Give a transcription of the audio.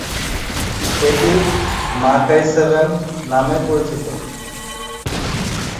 এটি "Mercury Seven" নামে পরিচিত।